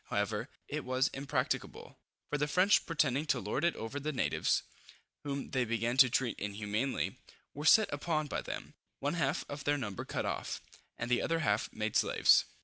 However, it was impracticable, for the French pretending to lord it over the natives, whom they began to treat inhumanly, were set upon by them, one half of their number cut off, and the other half made slaves.